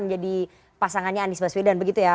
menjadi pasangannya anies baswedan begitu ya